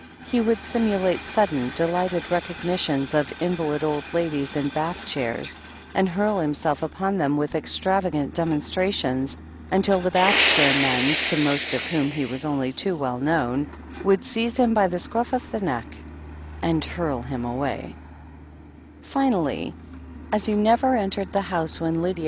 He would simulate sudden, delighted recognitions of invalid old ladies in bath chairs, and hurl himself upon them with extravagant demonstrations, until the bath chair men, to most of whom he was only too well known, would seize him by the scruff of the neck and Finally, as he never entered the house when Lydia hurl him away.